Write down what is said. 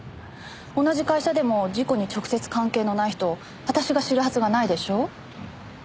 同じ会社でも事故に直接関係のない人を私が知るはずがないでしょう？